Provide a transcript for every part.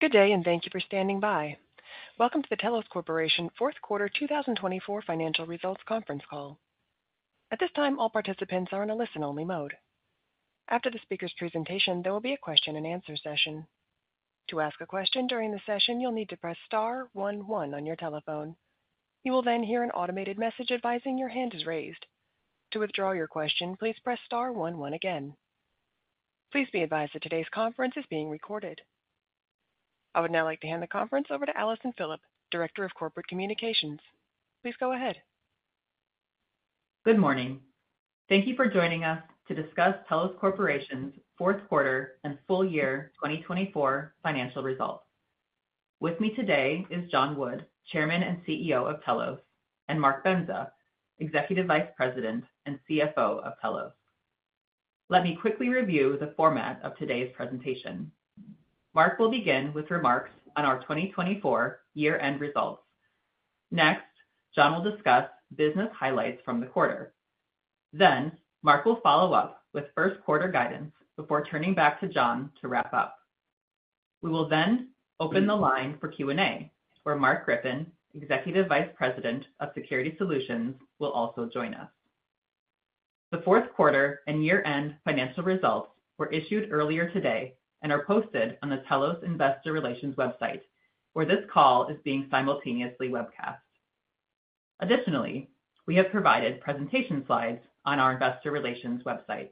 Good day, and thank you for standing by. Welcome to the Telos Corporation Fourth Quarter 2024 Financial Results Conference Call. At this time, all participants are in a listen-only mode. After the speaker's presentation, there will be a question-and-answer session. To ask a question during the session, you'll need to press star one-one on your telephone. You will then hear an automated message advising your hand is raised. To withdraw your question, please press star one-one again. Please be advised that today's conference is being recorded. I would now like to hand the conference over to Allison Phillipp, Director of Corporate Communications. Please go ahead. Good morning. Thank you for joining us to discuss Telos Corporation's fourth quarter and full year 2024 financial results. With me today is John Wood, Chairman and CEO of Telos, and Mark Bendza, Executive Vice President and CFO of Telos. Let me quickly review the format of today's presentation. Mark will begin with remarks on our 2024 year-end results. Next, John will discuss business highlights from the quarter. Mark will follow up with first quarter guidance before turning back to John to wrap up. We will then open the line for Q&A, where Mark Griffin, Executive Vice President of Security Solutions, will also join us. The fourth quarter and year-end financial results were issued earlier today and are posted on the Telos Investor Relations website, where this call is being simultaneously webcast. Additionally, we have provided presentation slides on our Investor Relations website.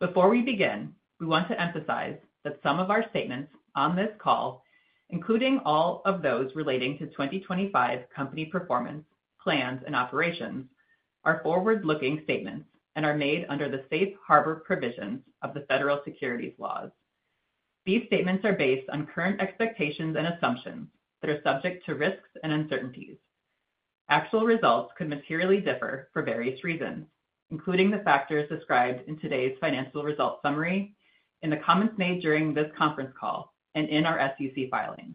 Before we begin, we want to emphasize that some of our statements on this call, including all of those relating to 2025 company performance, plans, and operations, are forward-looking statements and are made under the safe harbor provisions of the federal securities laws. These statements are based on current expectations and assumptions that are subject to risks and uncertainties. Actual results could materially differ for various reasons, including the factors described in today's financial results summary, in the comments made during this conference call, and in our SEC filings.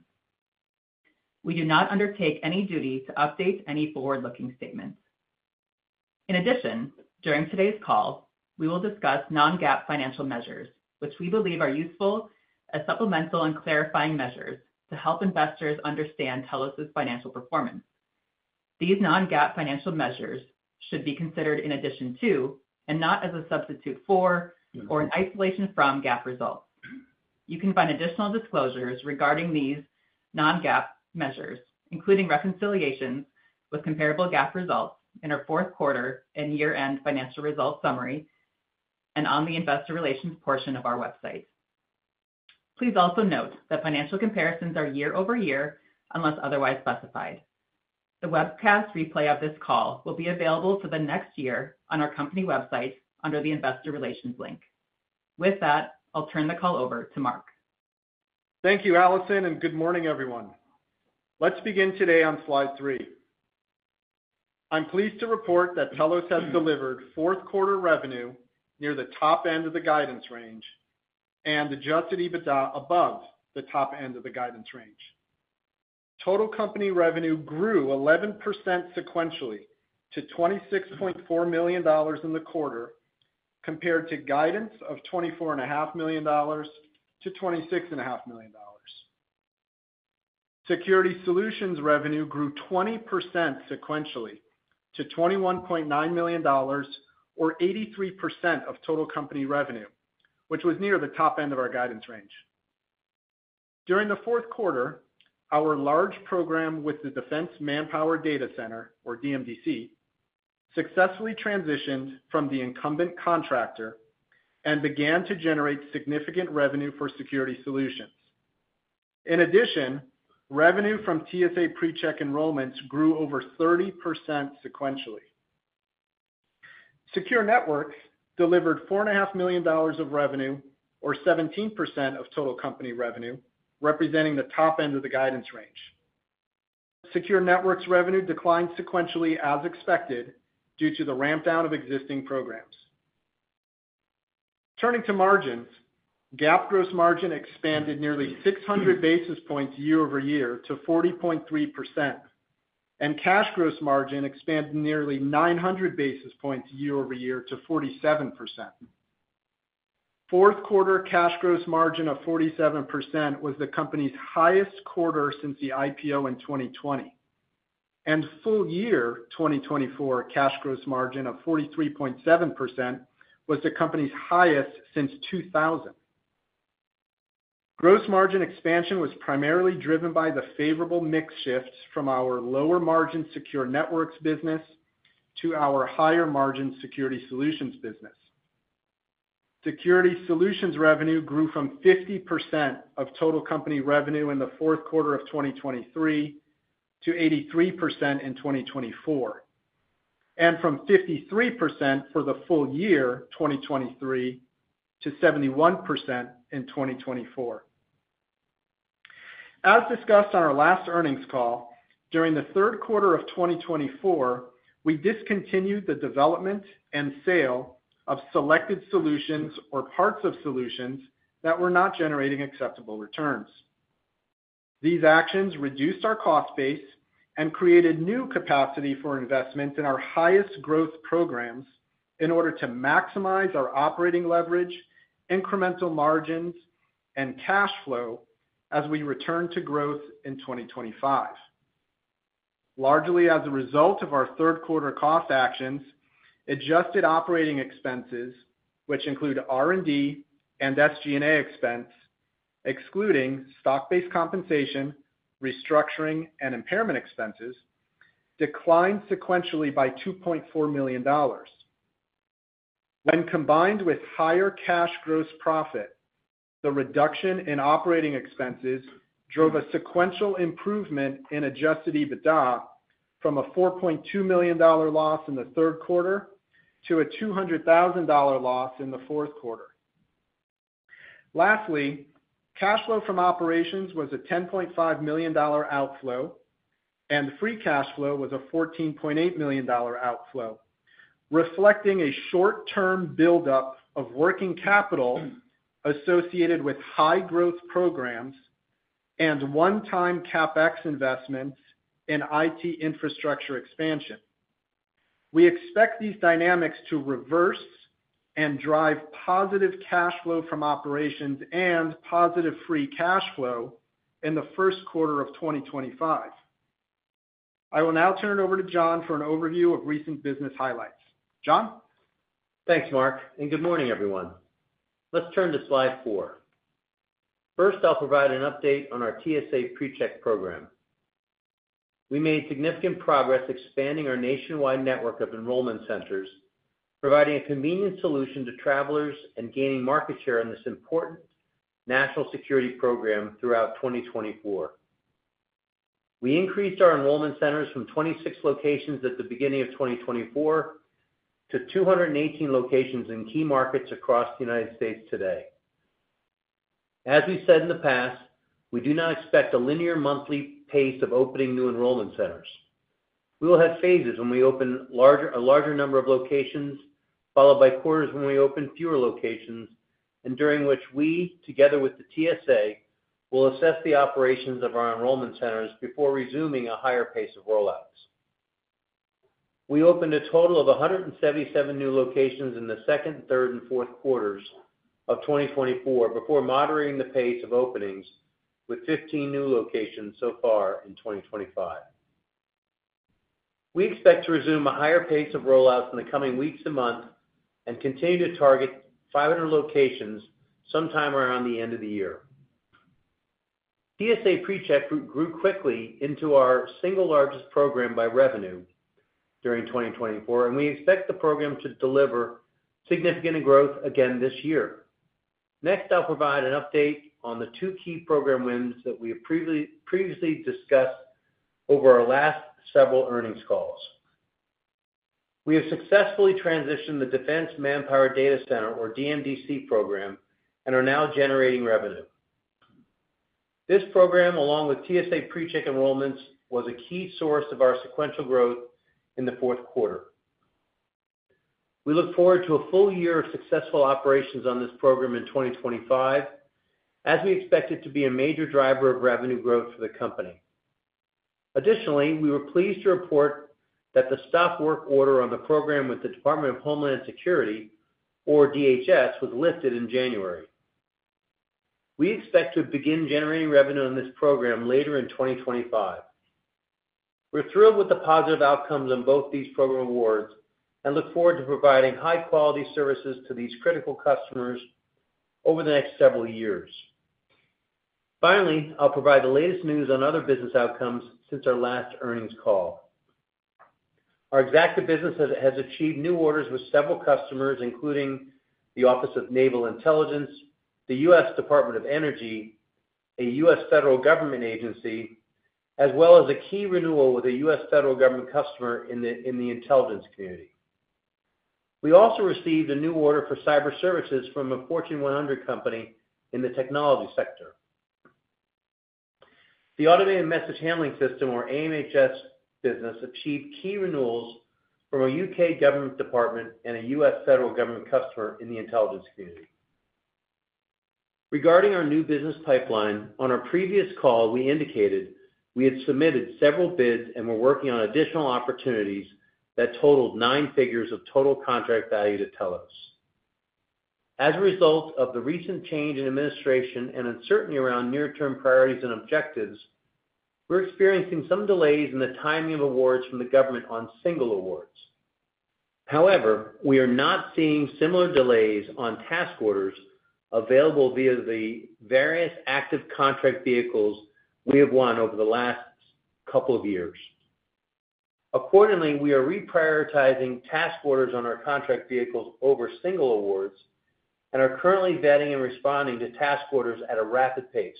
We do not undertake any duty to update any forward-looking statements. In addition, during today's call, we will discuss non-GAAP financial measures, which we believe are useful as supplemental and clarifying measures to help investors understand Telos's financial performance. These non-GAAP financial measures should be considered in addition to, and not as a substitute for, or in isolation from GAAP results. You can find additional disclosures regarding these non-GAAP measures, including reconciliations with comparable GAAP results in our fourth quarter and year-end financial results summary and on the Investor Relations portion of our website. Please also note that financial comparisons are year-over-year unless otherwise specified. The webcast replay of this call will be available for the next year on our company website under the Investor Relations link. With that, I'll turn the call over to Mark. Thank you, Allison, and good morning, everyone. Let's begin today on slide three. I'm pleased to report that Telos has delivered fourth quarter revenue near the top end of the guidance range and adjusted EBITDA above the top end of the guidance range. Total company revenue grew 11% sequentially to $26.4 million in the quarter, compared to guidance of $24.5 million-$26.5 million. Security Solutions revenue grew 20% sequentially to $21.9 million, or 83% of total company revenue, which was near the top end of our guidance range. During the fourth quarter, our large program with the Defense Manpower Data Center, or DMDC, successfully transitioned from the incumbent contractor and began to generate significant revenue for Security Solutions. In addition, revenue from TSA PreCheck enrollments grew over 30% sequentially. Secure Networks delivered $4.5 million of revenue, or 17% of total company revenue, representing the top end of the guidance range. Secure Networks' revenue declined sequentially as expected due to the ramp-down of existing programs. Turning to margins, GAAP gross margin expanded nearly 600 basis points year-over-year to 40.3%, and cash gross margin expanded nearly 900 basis points year-over-year to 47%. Fourth quarter cash gross margin of 47% was the company's highest quarter since the IPO in 2020, and full year 2024 cash gross margin of 43.7% was the company's highest since 2000. Gross margin expansion was primarily driven by the favorable mix shifts from our lower margin Secure Networks business to our higher margin Security Solutions business. Security Solutions revenue grew from 50% of total company revenue in the fourth quarter of 2023 to 83% in 2024, and from 53% for the full year 2023 to 71% in 2024. As discussed on our last earnings call, during the third quarter of 2024, we discontinued the development and sale of selected solutions or parts of solutions that were not generating acceptable returns. These actions reduced our cost base and created new capacity for investment in our highest growth programs in order to maximize our operating leverage, incremental margins, and cash flow as we return to growth in 2025. Largely as a result of our third quarter cost actions, adjusted operating expenses, which include R&D and SG&A expense, excluding stock-based compensation, restructuring, and impairment expenses, declined sequentially by $2.4 million. When combined with higher cash gross profit, the reduction in operating expenses drove a sequential improvement in adjusted EBITDA from a $4.2 million loss in the third quarter to a $200,000 loss in the fourth quarter. Lastly, cash flow from operations was a $10.5 million outflow, and free cash flow was a $14.8 million outflow, reflecting a short-term buildup of working capital associated with high-growth programs and one-time CapEx investments in IT infrastructure expansion. We expect these dynamics to reverse and drive positive cash flow from operations and positive free cash flow in the first quarter of 2025. I will now turn it over to John for an overview of recent business highlights. John? Thanks, Mark, and good morning, everyone. Let's turn to slide four. First, I'll provide an update on our TSA PreCheck program. We made significant progress expanding our nationwide network of enrollment centers, providing a convenient solution to travelers and gaining market share in this important national security program throughout 2024. We increased our enrollment centers from 26 locations at the beginning of 2024 to 218 locations in key markets across the United States today. As we said in the past, we do not expect a linear monthly pace of opening new enrollment centers. We will have phases when we open a larger number of locations, followed by quarters when we open fewer locations, and during which we, together with the TSA, will assess the operations of our enrollment centers before resuming a higher pace of rollouts. We opened a total of 177 new locations in the second, third, and fourth quarters of 2024 before moderating the pace of openings with 15 new locations so far in 2025. We expect to resume a higher pace of rollouts in the coming weeks and months and continue to target 500 locations sometime around the end of the year. TSA PreCheck grew quickly into our single largest program by revenue during 2024, and we expect the program to deliver significant growth again this year. Next, I'll provide an update on the two key program wins that we have previously discussed over our last several earnings calls. We have successfully transitioned the Defense Manpower Data Center, or DMDC, program and are now generating revenue. This program, along with TSA PreCheck enrollments, was a key source of our sequential growth in the fourth quarter. We look forward to a full year of successful operations on this program in 2025, as we expect it to be a major driver of revenue growth for the company. Additionally, we were pleased to report that the stop work order on the program with the Department of Homeland Security, or DHS, was lifted in January. We expect to begin generating revenue on this program later in 2025. We're thrilled with the positive outcomes on both these program awards and look forward to providing high-quality services to these critical customers over the next several years. Finally, I'll provide the latest news on other business outcomes since our last earnings call. Our executive business has achieved new orders with several customers, including the Office of Naval Intelligence, the U.S. Department of Energy, a U.S. federal government agency, as well as a key renewal with a U.S. federal government customer in the intelligence community. We also received a new order for cyber services from a Fortune 100 company in the technology sector. The Automated Message Handling System, or AMHS business, achieved key renewals from a U.K. government department and a U.S. federal government customer in the intelligence community. Regarding our new business pipeline, on our previous call, we indicated we had submitted several bids and were working on additional opportunities that totaled nine figures of total contract value to Telos. As a result of the recent change in administration and uncertainty around near-term priorities and objectives, we're experiencing some delays in the timing of awards from the government on single awards. However, we are not seeing similar delays on task orders available via the various active contract vehicles we have won over the last couple of years. Accordingly, we are reprioritizing task orders on our contract vehicles over single awards and are currently vetting and responding to task orders at a rapid pace.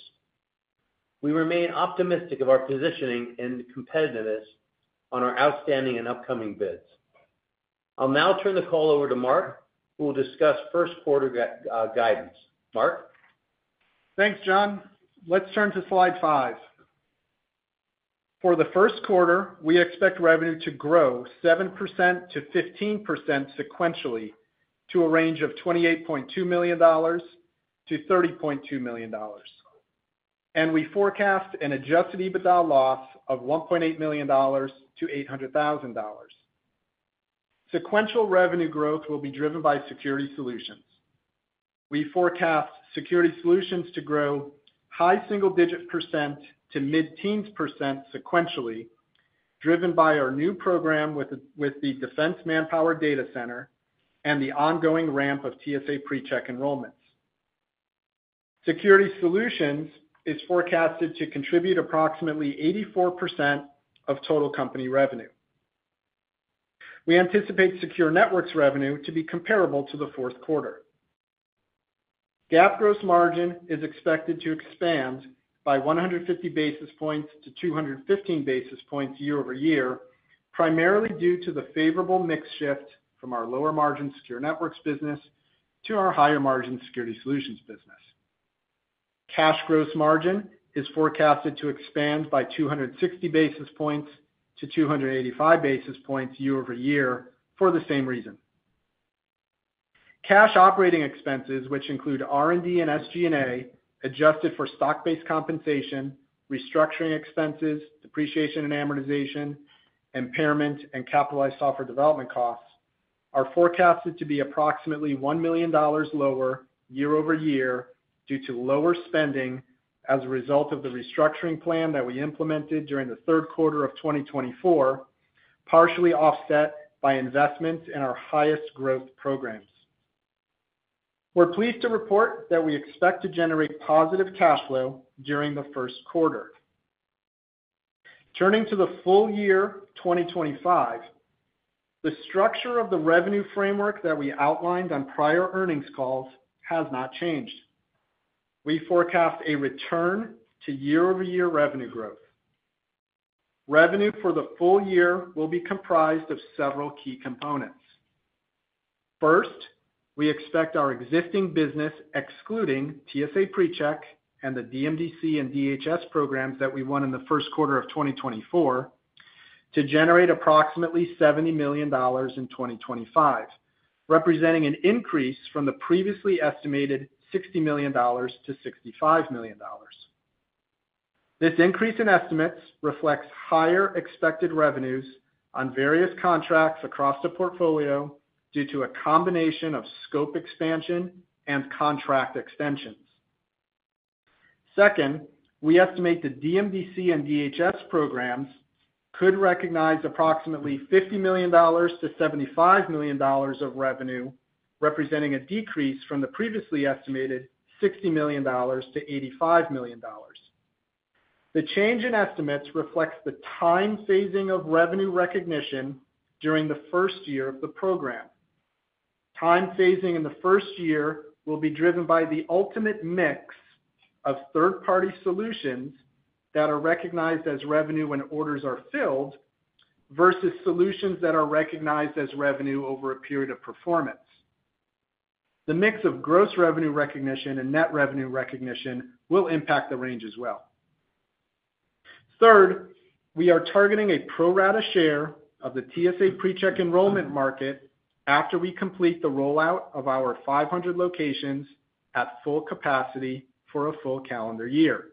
We remain optimistic of our positioning and competitiveness on our outstanding and upcoming bids. I'll now turn the call over to Mark, who will discuss first quarter guidance. Mark? Thanks, John. Let's turn to slide five. For the first quarter, we expect revenue to grow 7%-15% sequentially to a range of $28.2 million-$30.2 million. We forecast an adjusted EBITDA loss of $1.8 million-$800,000. Sequential revenue growth will be driven by Security Solutions. We forecast Security Solutions to grow high single-digit % to mid-teens % sequentially, driven by our new program with the Defense Manpower Data Center and the ongoing ramp of TSA PreCheck enrollments. Security Solutions is forecasted to contribute approximately 84% of total company revenue. We anticipate Secure Networks revenue to be comparable to the fourth quarter. GAAP gross margin is expected to expand by 150 basis points to 215 basis points year-over-year, primarily due to the favorable mix shift from our lower margin Secure Networks business to our higher margin Security Solutions business. Cash gross margin is forecasted to expand by 260 basis points to 285 basis points year-over-year for the same reason. Cash operating expenses, which include R&D and SG&A, adjusted for stock-based compensation, restructuring expenses, depreciation and amortization, impairment, and capitalized software development costs, are forecasted to be approximately $1 million lower year-over-year due to lower spending as a result of the restructuring plan that we implemented during the third quarter of 2024, partially offset by investments in our highest growth programs. We're pleased to report that we expect to generate positive cash flow during the first quarter. Turning to the full year 2025, the structure of the revenue framework that we outlined on prior earnings calls has not changed. We forecast a return to year-over-year revenue growth. Revenue for the full year will be comprised of several key components. First, we expect our existing business, excluding TSA PreCheck and the DMDC and DHS programs that we won in the first quarter of 2024, to generate approximately $70 million in 2025, representing an increase from the previously estimated $60 million-$65 million. This increase in estimates reflects higher expected revenues on various contracts across the portfolio due to a combination of scope expansion and contract extensions. Second, we estimate the DMDC and DHS programs could recognize approximately $50 million-$75 million of revenue, representing a decrease from the previously estimated $60 million-$85 million. The change in estimates reflects the time phasing of revenue recognition during the first year of the program. Time phasing in the first year will be driven by the ultimate mix of third-party solutions that are recognized as revenue when orders are filled versus solutions that are recognized as revenue over a period of performance. The mix of gross revenue recognition and net revenue recognition will impact the range as well. Third, we are targeting a pro rata share of the TSA PreCheck enrollment market after we complete the rollout of our 500 locations at full capacity for a full calendar year.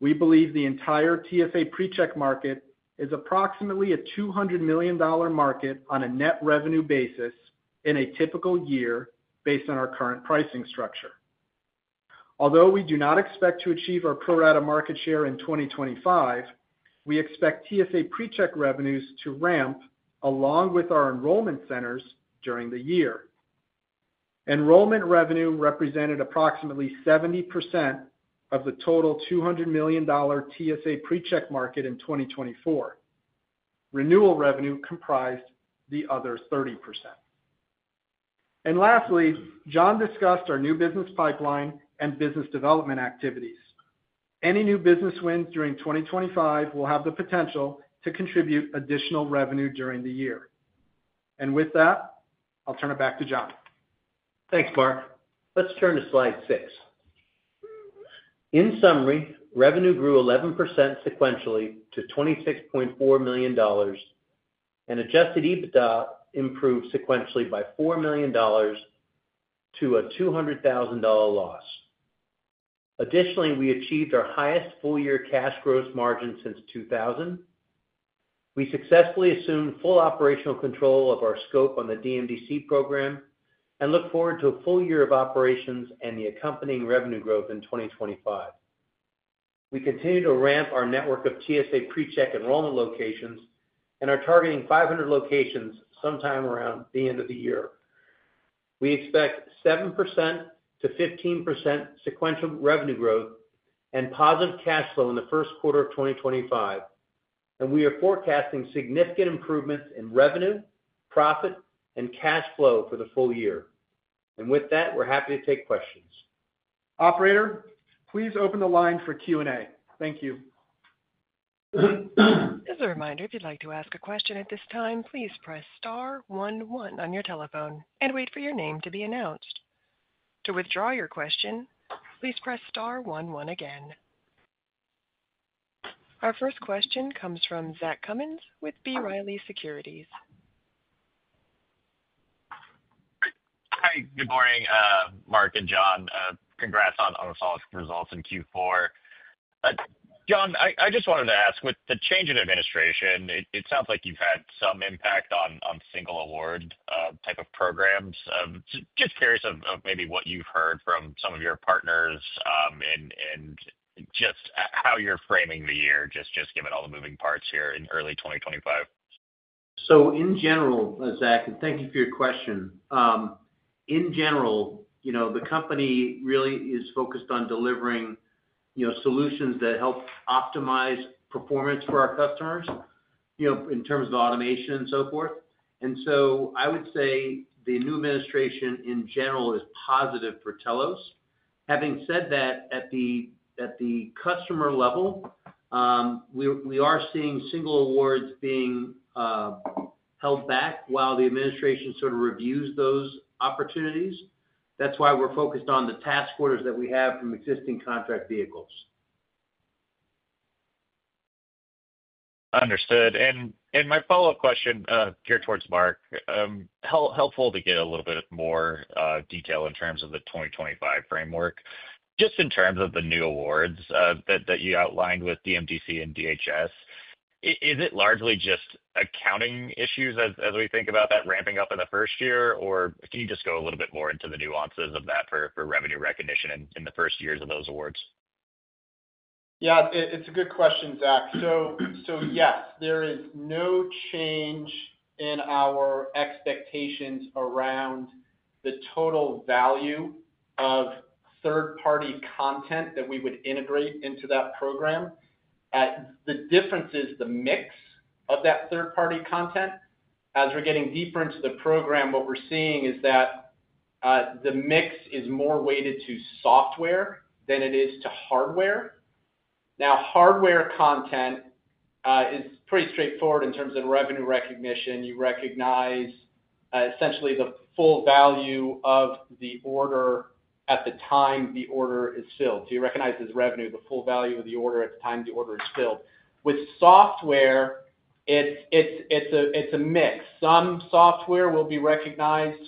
We believe the entire TSA PreCheck market is approximately a $200 million market on a net revenue basis in a typical year based on our current pricing structure. Although we do not expect to achieve our pro rata market share in 2025, we expect TSA PreCheck revenues to ramp along with our enrollment centers during the year. Enrollment revenue represented approximately 70% of the total $200 million TSA PreCheck market in 2024. Renewal revenue comprised the other 30%. John discussed our new business pipeline and business development activities. Any new business wins during 2025 will have the potential to contribute additional revenue during the year. With that, I'll turn it back to John. Thanks, Mark. Let's turn to slide six. In summary, revenue grew 11% sequentially to $26.4 million, and adjusted EBITDA improved sequentially by $4 million to a $200,000 loss. Additionally, we achieved our highest full-year cash gross margin since 2020. We successfully assumed full operational control of our scope on the DMDC program and look forward to a full year of operations and the accompanying revenue growth in 2025. We continue to ramp our network of TSA PreCheck enrollment locations and are targeting 500 locations sometime around the end of the year. We expect 7%-15% sequential revenue growth and positive cash flow in the first quarter of 2025. We are forecasting significant improvements in revenue, profit, and cash flow for the full year. With that, we're happy to take questions. Operator, please open the line for Q&A. Thank you. As a reminder, if you'd like to ask a question at this time, please press star 11 on your telephone and wait for your name to be announced. To withdraw your question, please press star 11 again. Our first question comes from Zach Cummins with B. Riley Securities. Hi, good morning, Mark and John. Congrats on the solid results in Q4. John, I just wanted to ask, with the change in administration, it sounds like you've had some impact on single award type of programs. Just curious of maybe what you've heard from some of your partners and just how you're framing the year, just given all the moving parts here in early 2025. In general, Zach, and thank you for your question. In general, the company really is focused on delivering solutions that help optimize performance for our customers in terms of automation and so forth. I would say the new administration in general is positive for Telos. Having said that, at the customer level, we are seeing single awards being held back while the administration sort of reviews those opportunities. That is why we are focused on the task orders that we have from existing contract vehicles. Understood. My follow-up question here towards Mark, helpful to get a little bit more detail in terms of the 2025 framework. Just in terms of the new awards that you outlined with DMDC and DHS, is it largely just accounting issues as we think about that ramping up in the first year, or can you just go a little bit more into the nuances of that for revenue recognition in the first years of those awards? Yeah, it's a good question, Zach. Yes, there is no change in our expectations around the total value of third-party content that we would integrate into that program. The difference is the mix of that third-party content. As we're getting deeper into the program, what we're seeing is that the mix is more weighted to software than it is to hardware. Now, hardware content is pretty straightforward in terms of revenue recognition. You recognize essentially the full value of the order at the time the order is filled. You recognize as revenue the full value of the order at the time the order is filled. With software, it's a mix. Some software will be recognized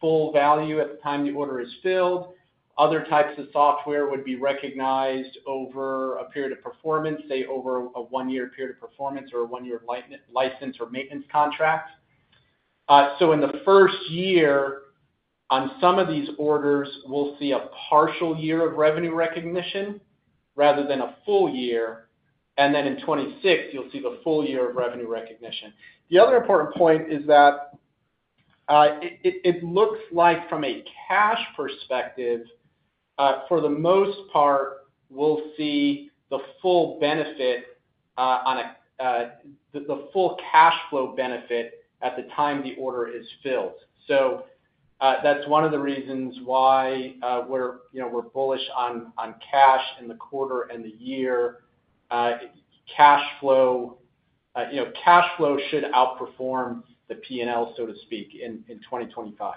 full value at the time the order is filled. Other types of software would be recognized over a period of performance, say over a one-year period of performance or a one-year license or maintenance contract. In the first year, on some of these orders, we'll see a partial year of revenue recognition rather than a full year. In 2026, you'll see the full year of revenue recognition. The other important point is that it looks like from a cash perspective, for the most part, we'll see the full benefit, the full cash flow benefit at the time the order is filled. That's one of the reasons why we're bullish on cash in the quarter and the year. Cash flow should outperform the P&L, so to speak, in 2025.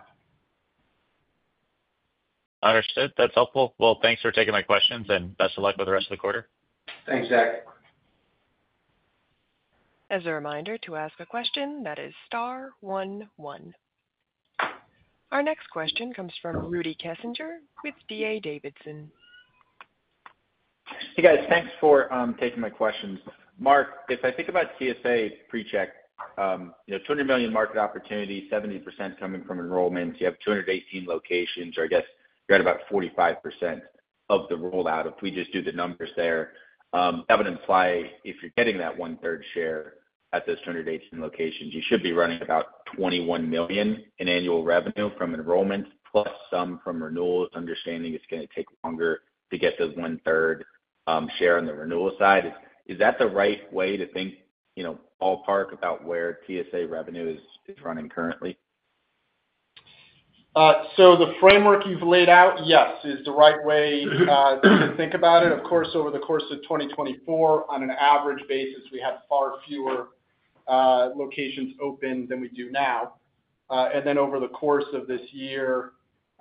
Understood. That's helpful. Thanks for taking my questions and best of luck with the rest of the quarter. Thanks, Zach. As a reminder to ask a question, that is star 11. Our next question comes from Rudy Kessinger with D.A. Davidson. Hey, guys, thanks for taking my questions. Mark, if I think about TSA PreCheck, $200 million market opportunity, 70% coming from enrollments, you have 218 locations, or I guess you're at about 45% of the rollout if we just do the numbers there. That would imply if you're getting that one-third share at those 218 locations, you should be running about $21 million in annual revenue from enrollments plus some from renewals, understanding it's going to take longer to get the one-third share on the renewal side. Is that the right way to think ballpark about where TSA revenue is running currently? The framework you've laid out, yes, is the right way to think about it. Of course, over the course of 2024, on an average basis, we have far fewer locations open than we do now. Over the course of this year,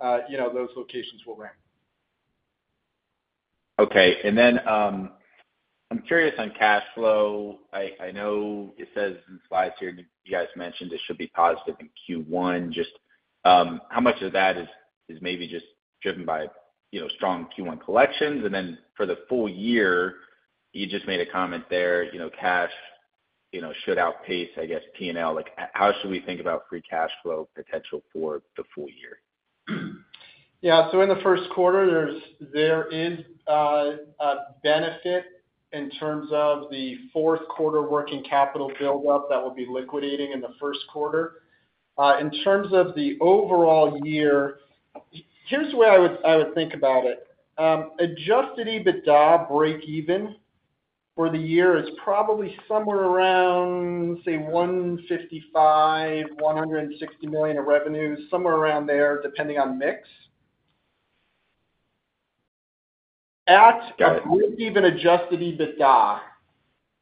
those locations will ramp. Okay. I am curious on cash flow. I know it says in slides here you guys mentioned it should be positive in Q1. Just how much of that is maybe just driven by strong Q1 collections? For the full year, you just made a comment there, cash should outpace, I guess, P&L. How should we think about free cash flow potential for the full year? Yeah. In the first quarter, there is a benefit in terms of the fourth quarter working capital buildup that will be liquidating in the first quarter. In terms of the overall year, here's the way I would think about it. Adjusted EBITDA break-even for the year is probably somewhere around, say, $155 million-$160 million of revenue, somewhere around there, depending on mix. At break-even adjusted EBITDA,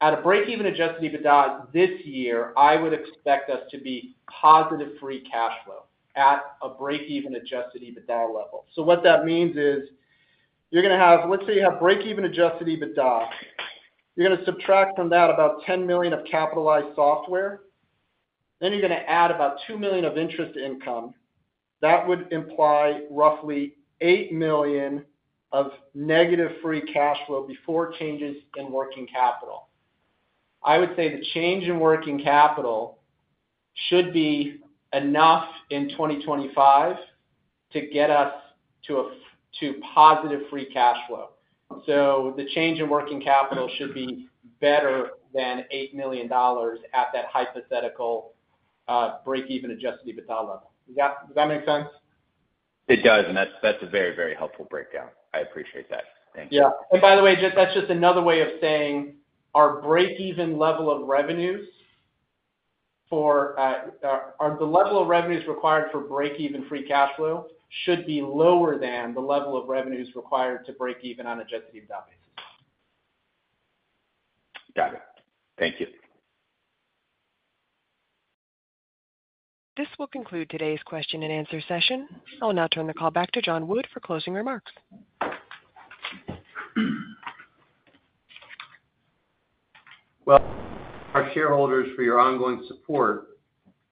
at a break-even adjusted EBITDA this year, I would expect us to be positive free cash flow at a break-even adjusted EBITDA level. What that means is you're going to have, let's say you have break-even adjusted EBITDA, you're going to subtract from that about $10 million of capitalized software, then you're going to add about $2 million of interest income. That would imply roughly $8 million of negative free cash flow before changes in working capital. I would say the change in working capital should be enough in 2025 to get us to positive free cash flow. The change in working capital should be better than $8 million at that hypothetical break-even adjusted EBITDA level. Does that make sense? That is a very, very helpful breakdown. I appreciate that. Thank you. Yeah. By the way, that's just another way of saying our break-even level of revenues for the level of revenues required for break-even free cash flow should be lower than the level of revenues required to break even on an adjusted EBITDA basis. Got it. Thank you. This will conclude today's question and answer session. I'll now turn the call back to John Wood for closing remarks. Our shareholders for your ongoing support.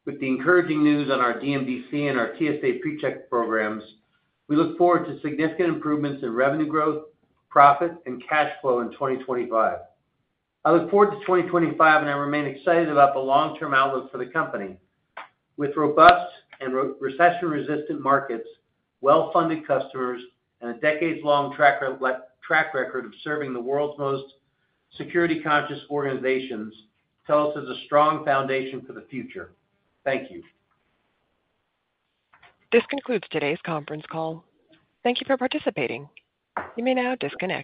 With the encouraging news on our DMDC and our TSA PreCheck programs, we look forward to significant improvements in revenue growth, profit, and cash flow in 2025. I look forward to 2025, and I remain excited about the long-term outlook for the company. With robust and recession-resistant markets, well-funded customers, and a decades-long track record of serving the world's most security-conscious organizations, Telos has a strong foundation for the future. Thank you. This concludes today's conference call. Thank you for participating. You may now disconnect.